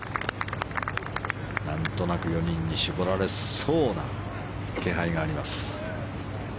なんとなく４人に絞られそうな気配があります。